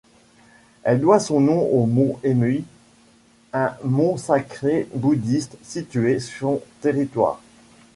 Elle doit son nom au mont Emei, un mont sacré bouddhiste situé son territoire.